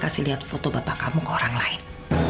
kasih lihat foto bapak kamu ke orang lain